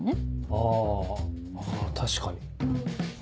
あ確かに。